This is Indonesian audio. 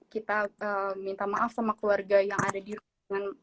kita minta maaf sama keluarga yang ada di rumah